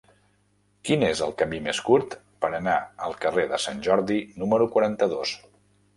Quin és el camí més curt per anar al carrer de Sant Jordi número quaranta-dos?